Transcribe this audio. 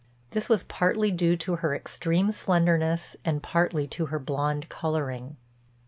This was partly due to her extreme slenderness and partly to her blonde coloring.